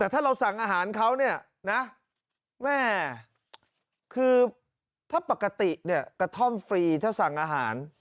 แต่ถ้าเราสั่งอาหารเขาเนี่ยนะแม่คือถ้าปกติเนี่ยกระท่อมฟรีถ้าสั่งอาหาร